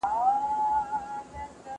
زه پرون کالي مينځل!